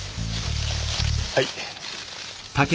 はい。